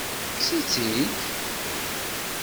Tekkes-itt-id?